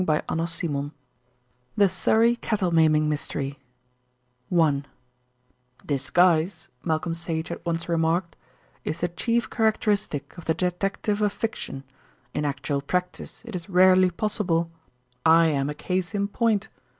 CHAPTER IV THE SURREY CATTLE MAIMING MYSTERY I "Disguise," Malcolm Sage had once re marked, "is the chief characteristic of the detective of fiction. In actual practise it is rarely possible. I am a case in point.